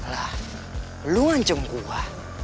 lah lu ancem gua